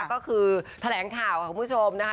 ก็คือแถลงข่าวค่ะคุณผู้ชมนะคะ